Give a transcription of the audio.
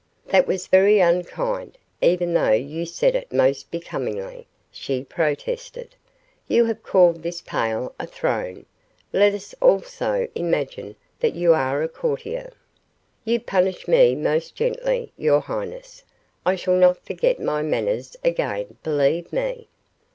"That was very unkind, even though you said it most becomingly," she protested. "You have called this pail a throne. Let us also imagine that you are a courtier." "You punish me most gently, your highness. I shall not forget my manners again, believe me."